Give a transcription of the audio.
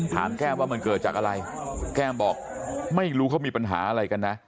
แก้มว่ามันเกิดจากอะไรแก้มบอกไม่รู้เขามีปัญหาอะไรกันนะ